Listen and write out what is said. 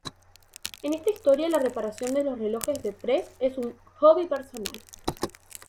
En esta historia, la reparación de los relojes de Prez es un hobby personal.